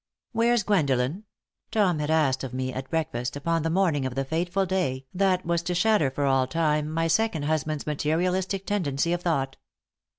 "Where's Gwendolen?" Tom had asked of me at breakfast upon the morning of the fateful day that was to shatter for all time my second husband's materialistic tendency of thought.